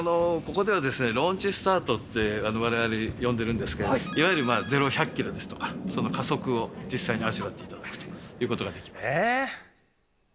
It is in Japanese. ここでは、ローンチスタートってわれわれ呼んでるんですけれども、いわゆる０、１００キロですとか、その加速を実際に味わっていただくといえー。